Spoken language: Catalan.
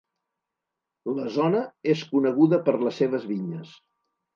La zona és coneguda per les seves vinyes.